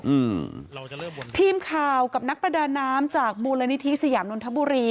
อืมเราจะเริ่มทีมข่าวกับนักประดาน้ำจากมูลนิธิสยามนนทบุรี